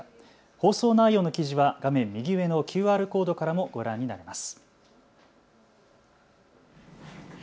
放送内容の記事は画面右上のＱＲコードからもご覧になれます。